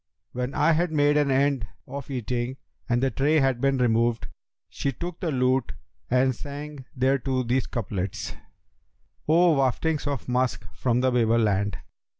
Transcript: When I had made an end of eating and the tray had been re moved, she took the lute and sang thereto these couplets, 'O waftings of musk from the Babel land!